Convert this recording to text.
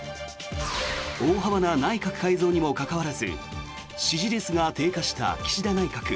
大幅な内閣改造にもかかわらず支持率が低下した岸田内閣。